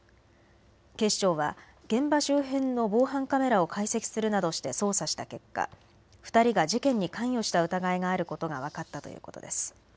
警視庁は現場周辺の防犯カメラを解析するなどして捜査した結果、２人が事件に関与した疑いがあることが分かったということです。